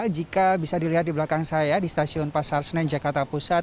jika bisa dilihat di belakang saya di stasiun pasar senen jakarta pusat